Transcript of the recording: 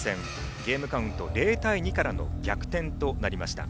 ゲームカウント０対２からの逆転となりました。